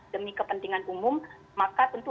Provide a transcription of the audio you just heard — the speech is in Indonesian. demi kepentingan umum maka tentu